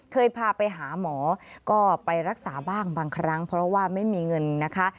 เคยพาไปหาหมอก็ไปรักษาบ้างบางครั้งเพราะว่าไม่มีเงินนะคะ